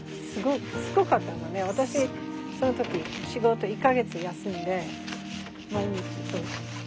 私その時仕事１か月休んで毎日掃除。